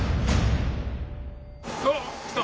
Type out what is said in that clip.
あっ来た！